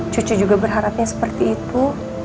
cucu juga berharapnya seperti itu